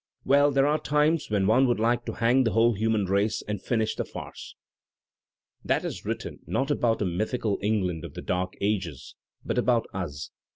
Well, there are times when one would like to hang the whole human race and finish the farce. That is written not about a mythical England of the dark ages, but about tas.